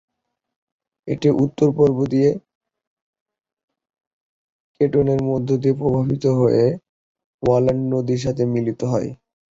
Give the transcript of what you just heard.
এটি উত্তর-পূর্ব দিকে কেটনের মধ্য দিয়ে প্রবাহিত হয়ে ওয়েলান্ড নদীর সাথে মিলিত হয়।